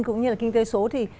cũng như là kinh tế số thì